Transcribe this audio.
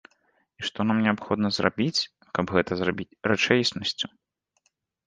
І што нам неабходна зрабіць, каб гэта зрабіць рэчаіснасцю.